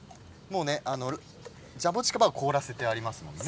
ジャボチカバは凍らせてありますよね。